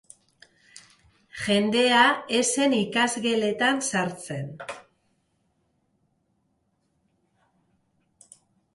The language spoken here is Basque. Jendea ez zen ikasgeletan sartzen.